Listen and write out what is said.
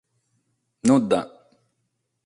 Nudda!